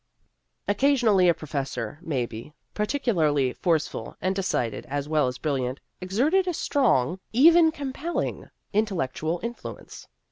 Occasionally a professor, may be particularly forceful and decided as well as brilliant, exerted a strong even ii2 Vassar Studies compelling intellectual influence.